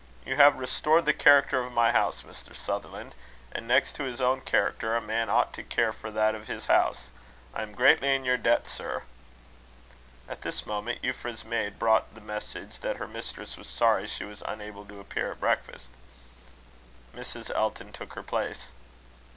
You have restored the character of my house, Mr. Sutherland; and next to his own character, a man ought to care for that of his house. I am greatly in your debt, sir." At this moment, Euphra's maid brought the message, that her mistress was sorry she was unable to appear at breakfast. Mrs. Elton took her place.